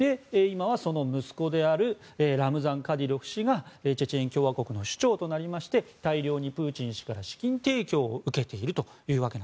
今はその息子であるラムザン・カディロフ氏がチェチェン共和国の首長になって大量にプーチン氏から資金提供を受けていると。